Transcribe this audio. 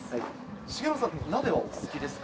重信さん、鍋はお好きですか？